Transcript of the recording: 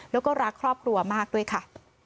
แล้วก็รักครอบครัวมากด้วยค่ะ